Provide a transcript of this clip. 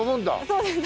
そうです。